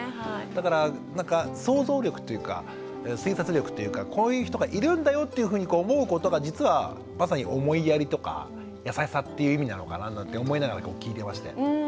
だからなんか想像力というか推察力というかこういう人がいるんだよというふうに思うことが実はまさに思いやりとか優しさっていう意味なのかななんて思いながら聞いていまして。